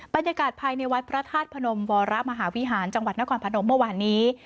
บรรยากาศภายในวัดพระธาตุพนมวรมหาวิหารจังหวัดนครพนมเมื่อวานนี้